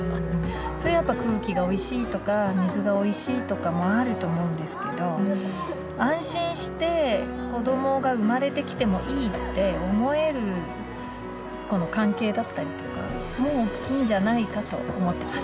それはやっぱ空気がおいしいとか水がおいしいとかもあると思うんですけど「安心して子どもが生まれてきてもいい」って思えるこの関係だったりとかもおっきいんじゃないかと思ってます。